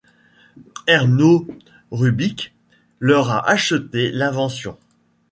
Ernő Rubik leur a acheté l'invention.